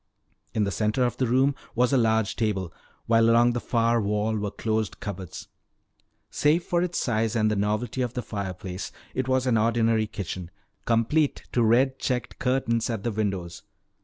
In the center of the room was a large table, while along the far wall were closed cupboards. Save for its size and the novelty of the fireplace, it was an ordinary kitchen, complete to red checked curtains at the windows.